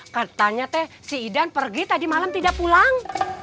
katanya teh si idan pergi tadi malam tidak pulang